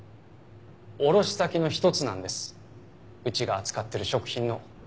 卸先の一つなんですうちが扱ってる食品の。